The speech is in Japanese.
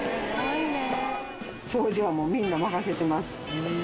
掃除はもうみんな任せてます。